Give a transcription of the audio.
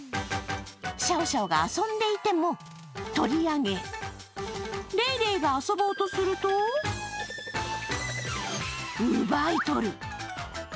シャオシャオが遊んでいても取り上げ、レイレイが遊ぼうとすると奪い取る。